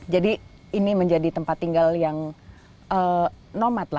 jadi ini menjadi tempat tinggal yang nomad